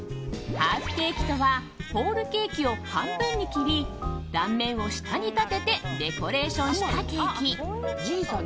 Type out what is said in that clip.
ハーフケーキとはホールケーキを半分に切り断面を下に立ててデコレーションしたケーキ。